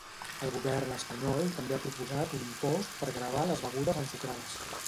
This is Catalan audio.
El govern espanyol també ha proposat un impost per gravar les begudes ensucrades.